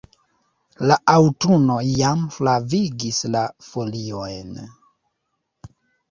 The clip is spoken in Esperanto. La aŭtuno jam flavigis la foliojn.